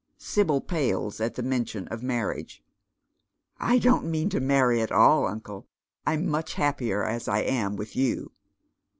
Sibyl pales at the mention of mai riage. " I don't mean to marry at all, uncle. I'm much happier as I am, with you."